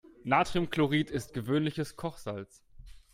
Natriumchlorid ist gewöhnliches Kochsalz.